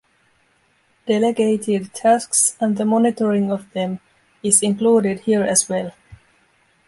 Delegated tasks and the monitoring of them is included here as well.